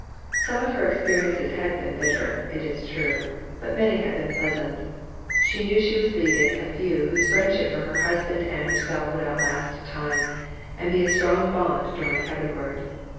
Some of her experiences had been bitter, it is true, but many had been pleasant. She knew she was leaving a few whose friendship for her husband and herself would outlast time, and be a strong bond drawing heavenward.